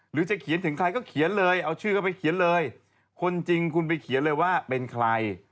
หรือจะเขียนถึงใครก็เขียนเลยเอาชื่อก็ไปเขียนเลยคนจริงคุณไปเขียนเลยว่าเป็นใคร